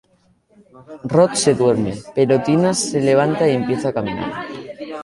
Rod se duerme, pero Tina se levanta y empieza a caminar.